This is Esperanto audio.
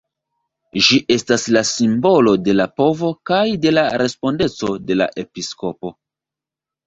Ĝi estas la simbolo de la povo kaj de la respondeco de la episkopo.